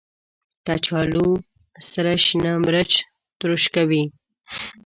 کچالو سره شنه مرچ تروش کوي